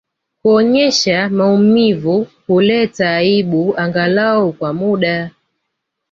Kuonyesha maumivu huleta aibu angalau kwa muda